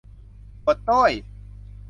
ปวดโต้ย !